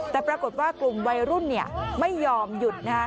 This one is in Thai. แต่ปรากฏว่ากลุ่มวัยรุ่นไม่ยอมหยุด